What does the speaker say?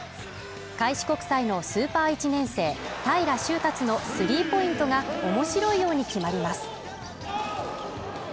開志国際のスーパー１年生、平良宗龍のスリーポイントが面白いように決まります。